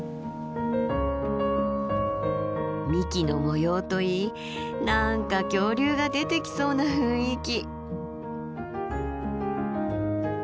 幹の模様といい何か恐竜が出てきそうな雰囲気。